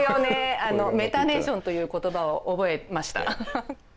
あのメタネーションという言葉を覚えました。